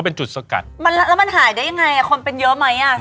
แล้วมันหายได้ยังไงอ่ะคนเป็นเยอะไหมอ่ะ